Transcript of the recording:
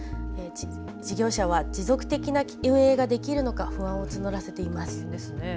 事業者は持続的な運営ができるのか不安を募らせています。